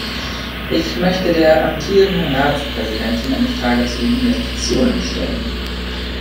Ich möchte der amtierenden Ratspräsidentin eine Frage zu den Investitionen stellen.